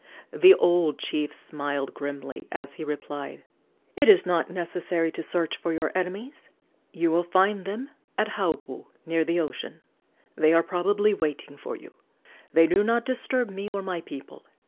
The old chief smiled grimly as he replied: "It is not necessary to search for your enemies. You will find them at Haupu, near the ocean. They are probably waiting for you. They do not disturb me or my people.